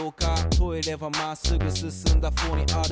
トイレはまっすぐ進んだほうにある。